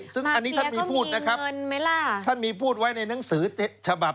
ซึ่งอันนี้ท่านมีพูดนะครับท่านมีพูดไว้ในหนังสือฉบับ